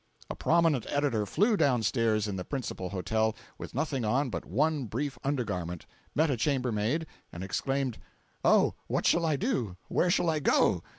A prominent editor flew down stairs, in the principal hotel, with nothing on but one brief undergarment—met a chambermaid, and exclaimed: "Oh, what shall I do! Where shall I go!"